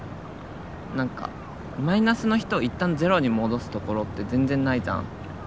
マイナスの人を一旦ゼロに戻す所って全然ないじゃん。